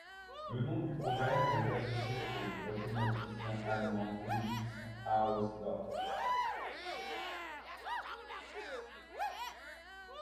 Le nom du problème est associé au mathématicien allemand Felix Hausdorff.